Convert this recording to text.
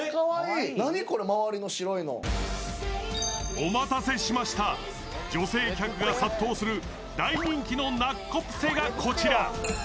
お待たせしました女性客が殺到する大人気のナッコプセがこちら。